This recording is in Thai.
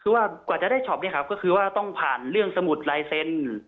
คือว่ากว่าจะได้ช็อปเนี่ยครับก็คือว่าต้องผ่านเรื่องสมุดลายเซ็นต์